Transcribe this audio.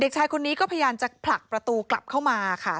ชายคนนี้ก็พยายามจะผลักประตูกลับเข้ามาค่ะ